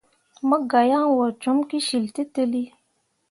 Mo gah yan wo com kǝsyiltǝlli.